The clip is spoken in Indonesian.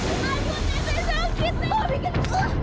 aduh teh saya sakit